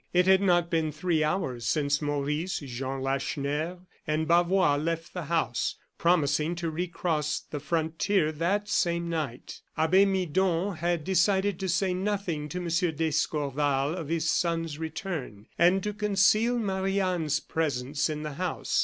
It had not been three hours since Maurice, Jean Lacheneur and Bavois left the house, promising to re cross the frontier that same night. Abbe Midon had decided to say nothing to M. d'Escorval of his son's return, and to conceal Marie Anne's presence in the house.